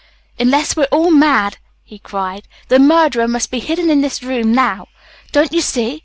"Unless we're all mad," he cried, "the murderer must be hidden in this room now. Don't you see?